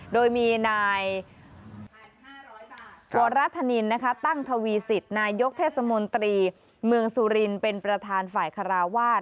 โดยมีนายวรธนินตั้งทวีสิตนายกเทศมนตรีเมืองสุรินเป็นประธานฝ่ายคาราวาส